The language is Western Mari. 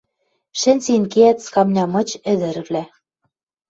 Шӹнзен кеӓт скамня мыч ӹдӹрвлӓ